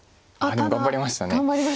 でも頑張りました。